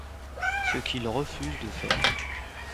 Ce qu’il refuse de faire.